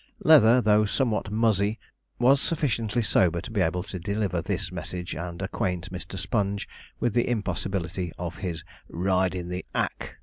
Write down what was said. Leather, though somewhat muzzy, was sufficiently sober to be able to deliver this message, and acquaint Mr. Sponge with the impossibility of his 'ridin' the 'ack.'